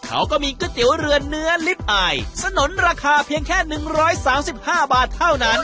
เขาก็มีก๋วยเตี๋ยวเรือเนื้อลิฟต์อายสนุนราคาเพียงแค่๑๓๕บาทเท่านั้น